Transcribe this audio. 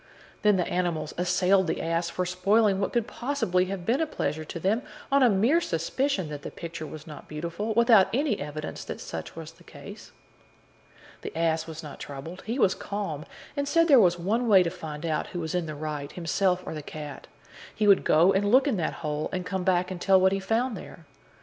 Then the animals assailed the ass for spoiling what could possibly have been a pleasure to them, on a mere suspicion that the picture was not beautiful, without any evidence that such was the case. The ass was not troubled; he was calm, and said there was one way to find out who was in the right, himself or the cat: he would go and look in that hole, and come back and tell what he found there.